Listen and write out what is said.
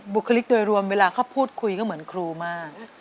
บุคลิกโดยรวมเวลาเขาพูดคุยก็เหมือนครูมาก